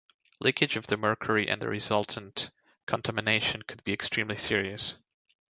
Leakage of the mercury and the resultant contamination could be extremely serious.